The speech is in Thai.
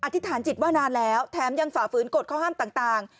ธิษฐานจิตว่านานแล้วแถมยังฝ่าฝืนกฎข้อห้ามต่าง